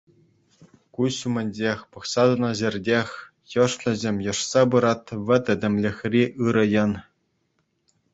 Куҫ умӗнчех, пӑхса тӑнӑ ҫӗртех йӑшнӑҫем йӑшса пырать вӗт этемлӗхри ырӑ ен.